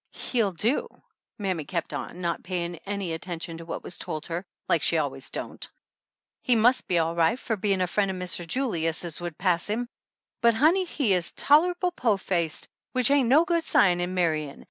"He'll do" mammy kept on, not paying any attention to what was told her, like she always don't. "He must be all right, for bein' a frien' o' Mr. Juliuses would pass 'im.' But, honey, he is tolerable po faced, which ain't no good sign in marryin'.